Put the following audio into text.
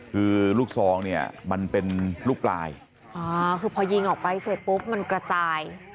คือลูกซองเนี่ยมันเป็นลูกปลายอ๋อคือพอยิงออกไปเสร็จปุ๊บมันกระจาย